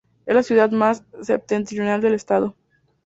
Es la ciudad más Septentrional del estado.